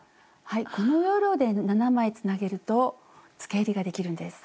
この要領で７枚つなげるとつけえりができるんです。